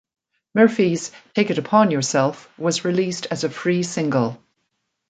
Murphy's "Take It Upon Yourself" was released as a free single.